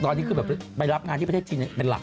ตอนนี้คือแบบไปรับงานที่ประเทศจีนเป็นหลัก